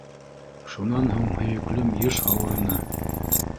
Шунан һуң һөйөклөм йыш ауырыны.